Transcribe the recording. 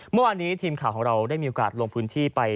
เมื่อวานนี้ทีมข่าวของเราได้มีโอกาสลงพื้นที่ไป